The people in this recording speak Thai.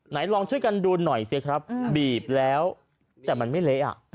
ลองช่วยกันดูหน่อยสิครับบีบแล้วแต่มันไม่เละอ่ะ